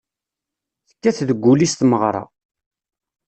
Tekkat deg wul-is tmeɣra.